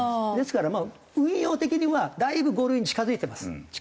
ですからまあ運用的にはだいぶ５類に近付いてます。